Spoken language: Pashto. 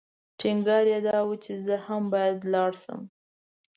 ټینګار یې دا و چې زه هم باید لاړ شم.